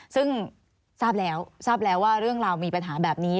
ซึ่งทราบแล้วทราบแล้วว่าเรื่องราวมีปัญหาแบบนี้